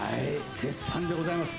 絶賛でございます。